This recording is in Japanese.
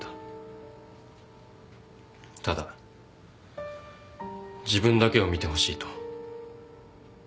ただ自分だけを見てほしいと。